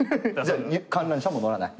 観覧車も乗らない？